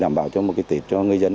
đảm bảo cho một cái tiệc cho người dân